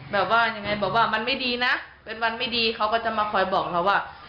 แบบว่ายังไงบอกว่ามันไม่ดีนะเป็นวันไม่ดีเขาก็จะมาคอยบอกเราว่า